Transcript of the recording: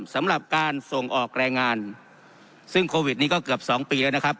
สำหรับการส่งออกแรงงานซึ่งโควิดนี้ก็เกือบสองปีแล้วนะครับ